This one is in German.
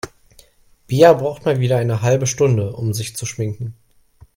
Bea braucht mal wieder eine halbe Stunde, um sich zu schminken.